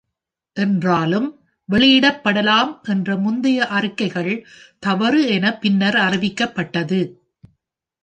என்றாலும், வெளியிடப்படலாம் என்ற முந்தைய அறிக்கைகள் தவறு என பின்னர் அறிவிக்கப்பட்டது.